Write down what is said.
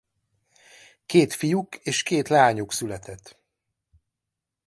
Két fiuk és két leányuk született.